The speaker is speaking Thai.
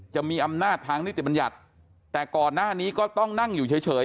จะมีอำนาจทางนิติบัญญัติแต่ก่อนหน้านี้ก็ต้องนั่งอยู่เฉย